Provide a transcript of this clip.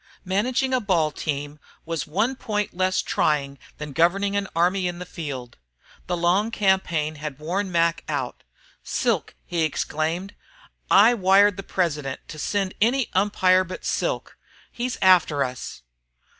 Managing a ball team was only one point less trying than governing an army in the field. The long campaign had worn Mac out. "Silk!" he exclaimed. "I wired the president to send any umpire but Silk. He's after us!"